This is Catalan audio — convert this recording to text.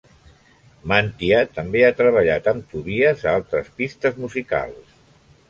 Mantia també ha treballat amb Tobias a altres pistes musicals.